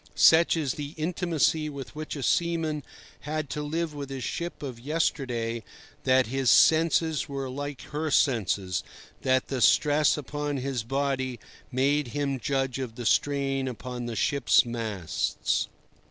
Such is the intimacy with which a seaman had to live with his ship of yesterday that his senses were like her senses, that the stress upon his body made him judge of the strain upon the ship's masts.